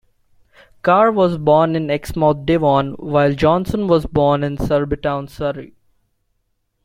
Carr was born in Exmouth, Devon, while Johnson was born in Surbiton, Surrey.